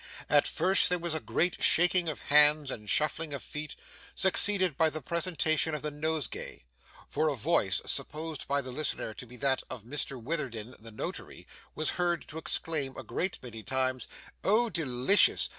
At first there was a great shaking of hands and shuffling of feet, succeeded by the presentation of the nosegay; for a voice, supposed by the listener to be that of Mr Witherden the Notary, was heard to exclaim a great many times, 'oh, delicious!